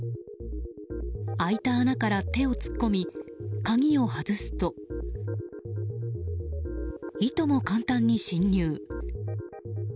開いた穴から手を突っ込み鍵を外すといとも簡単に侵入。